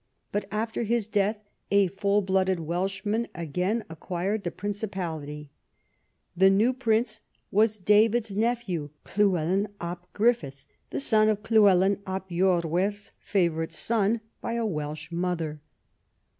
But after his death a full blooded Welshman again ac quired the Principality. The new prince was David's nephew Llywelyn ab Gruffydd, the son of Llywelyn ab lorwerth's favourite son by a Welsh mother.